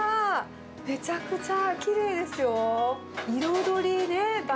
めちゃくちゃきれいですよ。